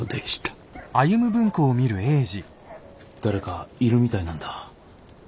誰かいるみたいなんだ。